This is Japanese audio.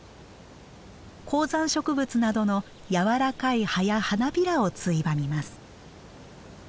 高山植物などの柔らかい葉や花びらをついばみます。